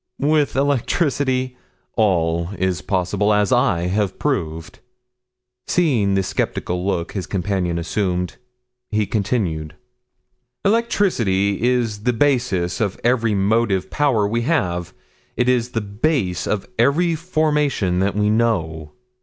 "With electricity, all is possible; as I have proved." Seeing the skeptical look his companion assumed, he continued, "Electricity is the basis of every motive power we have; it is the base of every formation that we know."